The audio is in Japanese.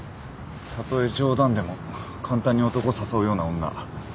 たとえ冗談でも簡単に男誘うような女。